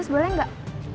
dua ratus boleh gak